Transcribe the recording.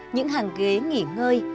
những hàng ghế nghỉ ngơi